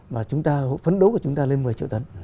và phấn đấu của chúng ta lên một mươi triệu tấn